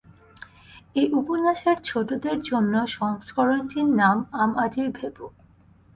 এই উপন্যাসের ছোটদের জন্য সংস্করনটির নাম আম আঁটির ভেঁপু।